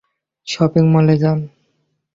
Shopping মলে যান।